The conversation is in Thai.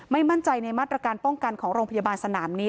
ไม่มั่นใจในมาตรการป้องกันของโรงพยาบาลสนามนี้